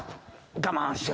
我慢しよ。